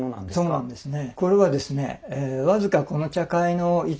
そうなんですね。